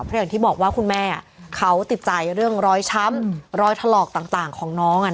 เพราะอย่างที่บอกว่าคุณแม่เขาติดใจเรื่องรอยช้ำรอยถลอกต่างของน้อง